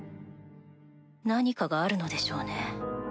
何かがあるのでしょうね。